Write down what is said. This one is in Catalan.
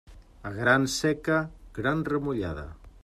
A gran seca, gran remullada.